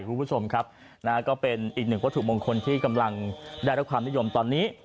คุณผู้ชมครับนะฮะก็เป็นอีกหนึ่งวัตถุมงคลที่กำลังได้รับความนิยมตอนนี้